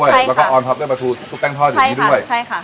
ใช่ค่ะแล้วก็ออนท็อปเนื้อปลาทูชุบแป้งทอดอย่างนี้ด้วยใช่ค่ะใช่ค่ะ